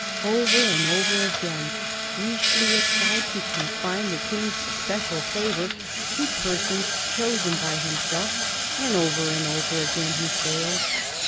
Over and over again Richelieu tried to confine the King's special favour to persons chosen by himself, and over and over again he failed.